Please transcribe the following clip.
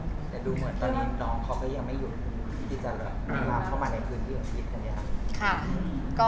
แต่ดูเหมือนตอนนี้น้องเขาก็ยังไม่หยุดที่จะลากเข้ามาในพื้นที่ชีวิตคนนี้ครับ